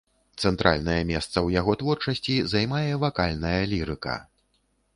Цэнтральнае месца ў яго творчасці займае вакальная лірыка.